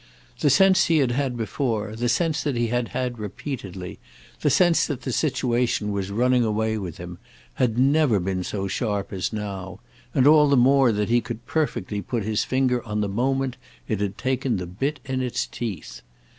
The sense he had had before, the sense he had had repeatedly, the sense that the situation was running away with him, had never been so sharp as now; and all the more that he could perfectly put his finger on the moment it had taken the bit in its teeth.